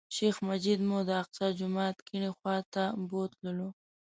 شیخ مجید موږ د الاقصی جومات کیڼې خوا ته بوتللو.